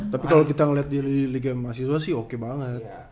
tapi kalau kita ngeliat di liga mahasiswa sih oke banget